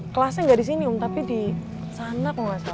kelasnya gak disini om tapi disana kok gak salah